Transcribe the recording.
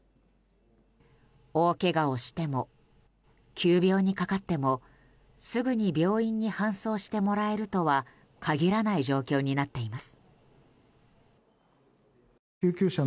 大けがをしても急病にかかってもすぐに病院に搬送してもらえるとは限らない状況になっています。